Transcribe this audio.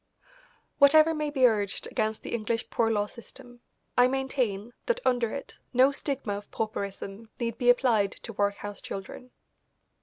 Whatever may be urged against the English Poor Law system, I maintain that under it no stigma of pauperism need be applied to workhouse children.